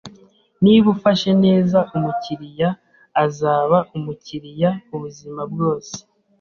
Niba ufashe neza umukiriya, azaba umukiriya ubuzima bwose.